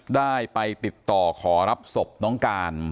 ได้ไปติดต่อขอรับศพน้องการ